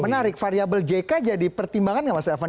menarik variable jk jadi pertimbangan nggak mas elvan